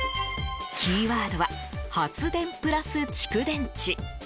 キーワードは発電プラス蓄電池。